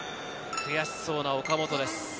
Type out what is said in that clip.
悔しそうな岡本です。